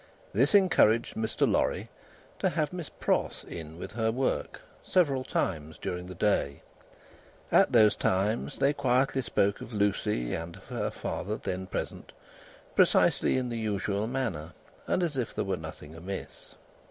This encouraged Mr. Lorry to have Miss Pross in with her work, several times during the day; at those times, they quietly spoke of Lucie, and of her father then present, precisely in the usual manner, and as if there were nothing amiss.